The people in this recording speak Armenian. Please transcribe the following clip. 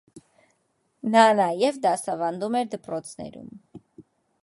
Նա նաև դասավանդում էր դպրոցներում։